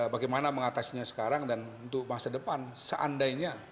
bagaimana mengatasinya sekarang dan untuk masa depan seandainya